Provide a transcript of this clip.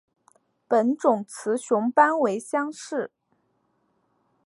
本种雌雄斑纹相似。